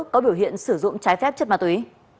có biểu hiện sử dụng trái phép chất ma túy